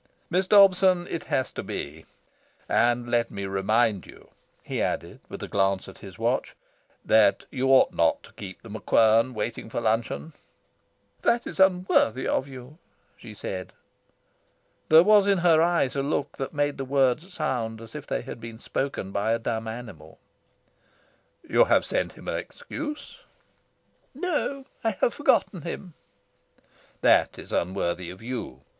Miss Dobson, it has to be. And let me remind you," he added, with a glance at his watch, "that you ought not to keep The MacQuern waiting for luncheon." "That is unworthy of you," she said. There was in her eyes a look that made the words sound as if they had been spoken by a dumb animal. "You have sent him an excuse?" "No, I have forgotten him." "That is unworthy of you.